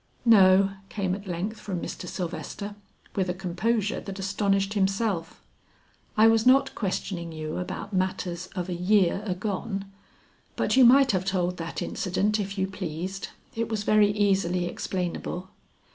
"No," came at length from Mr. Sylvester, with a composure that astonished himself. "I was not questioning you about matters of a year agone. But you might have told that incident if you pleased; it was very easily explainable."